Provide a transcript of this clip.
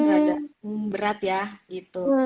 rada berat ya gitu